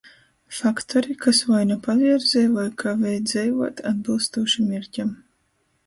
Faktori, kas voi nu pavierzej, voi kavej dzeivuot atbylstūši mierķam.